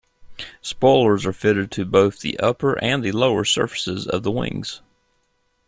Spoilers are fitted to both the upper and the lower surfaces of the wings.